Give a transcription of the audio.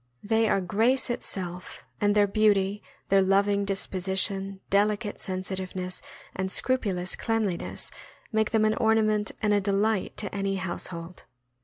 * They are grace itself, and their beauty, their loving dis position, delicate sensitiveness, and scrupulous cleanliness make them an ornament and a delight to any household.